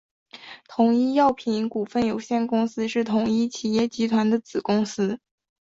统一药品股份有限公司是统一企业集团的子公司。